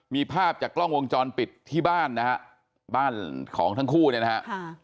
มีภาพจากกล้องวงจรปิดที่บ้านนะฮะบ้านของทั้งคู่เนี่ยนะฮะ